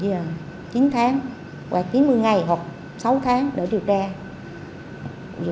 để lưu cuối biến và tìm kiếm bắt tạm giam vốn